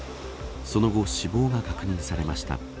その後、死亡が確認されました。